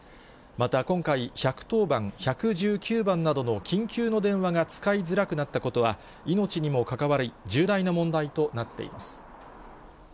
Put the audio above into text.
また今回、１１０番、１１９番などの緊急の電話が使いづらくなったことは、命にも関わる重大な問題となっています。